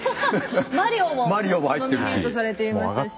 「マリオ」もノミネートされていましたし。